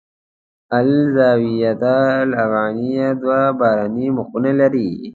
الزاویة الافغانیه دوه بهرنۍ مخونه لري.